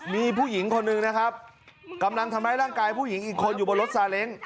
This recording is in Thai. มีผู้หญิงคนหนึ่งนะครับกำลังทำร้ายร่างกายผู้หญิงอีกคนอยู่บนรถซาเล้ง